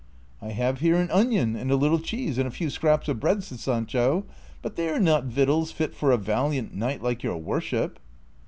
" I have here an onion and a little cheese and a few scraps of bread," said Hancho, " but they are not victuals fit for a valiant knight like your worship."